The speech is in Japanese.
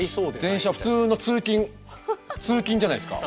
電車普通の通勤通勤じゃないですか。